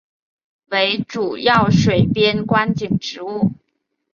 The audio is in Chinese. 为主要水边观景植物。